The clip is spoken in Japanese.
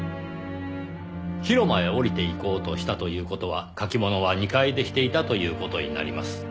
「広間へ降りて行こうとした」という事は書き物は２階でしていたという事になります。